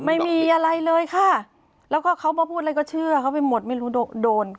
ไม่มีอะไรเลยค่ะแล้วก็เขามาพูดอะไรก็เชื่อเขาไปหมดไม่รู้โดน